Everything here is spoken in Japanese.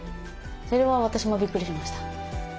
それは私もびっくりしました。